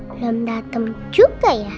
belum datang juga ya